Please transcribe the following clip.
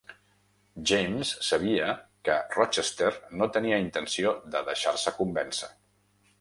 James sabia ara que Rochester no tenia intenció de deixar-se convèncer.